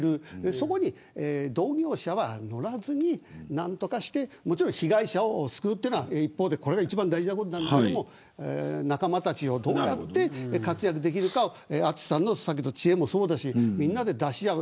そこに同業者は乗らずに何とかして被害者を救うというのが一方でこれが一番大事なことなんだけど仲間たちをどうやって活躍できるか淳さんの知恵もそうだしみんなで出し合う。